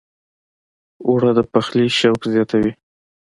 اوړه د پخلي شوق زیاتوي